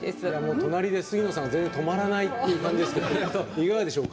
隣で杉野さんが全然、止まらないですけどいかがでしょうか？